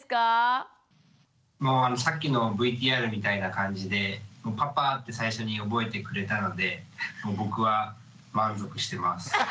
さっきのＶＴＲみたいな感じでパパって最初に覚えてくれたので僕は満足してます。